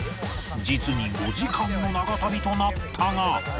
実に５時間の長旅となったが